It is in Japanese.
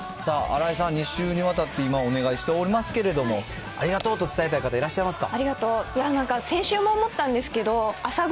新井さん、２週にわたって今、お願いしておりますけれども、ありがとうと伝えたい方いらっしゃいますか？